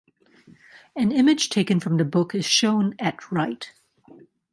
An image taken from the book is shown at right.